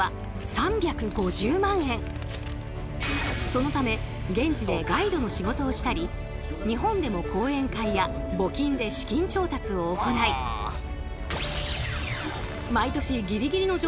そのため現地でガイドの仕事をしたり日本でも講演会や募金で資金調達を行い最近ではですね